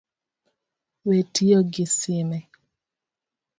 We tiyo gi sime